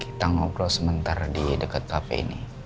kita ngobrol sementara di dekat cafe ini